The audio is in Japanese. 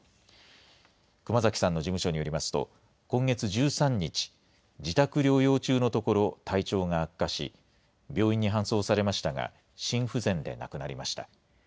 熊崎さんの事務所によりますと、今月１３日、自宅療養中のところ、体調が悪化し、病院に搬送されましたが、心不全で亡くなりました。